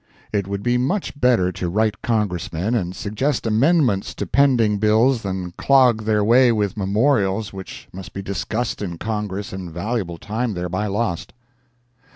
It would be much better to write Congressmen and suggest amendments to pending bills then clog their way with memorials which must be discussed in Congress and valuable time thereby lost.